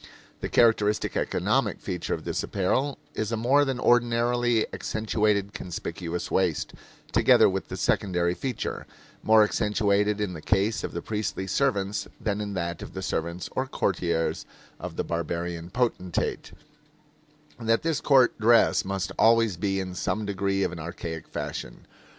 The characteristic economic feature of this apparel is a more than ordinarily accentuated conspicuous waste, together with the secondary feature more accentuated in the case of the priestly servants than in that of the servants or courtiers of the barbarian potentate that this court dress must always be in some degree of an archaic fashion.